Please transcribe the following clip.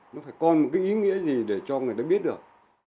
không có ý nghĩa gì để cho người ta biết được